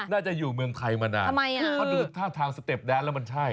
น่าจะอยู่เมืองไทยมานานเพราะดูท่าทางสเต็ปแดดแล้วมันช่าย